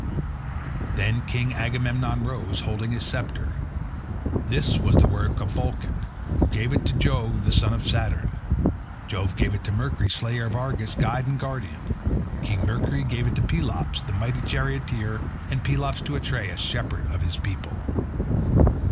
Then King Agamemnon rose, holding his sceptre. This was the work of Vulcan, who gave it to Jove the son of Saturn. Jove gave it to Mercury, slayer of Argus, guide and guardian. King Mercury gave it to Pelops, the mighty charioteer, and Pelops to Atreus, shepherd of his people.